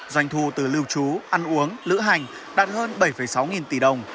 doanh thu từ lưu trú ăn uống lữ hành đạt hơn bảy sáu nghìn tỷ đồng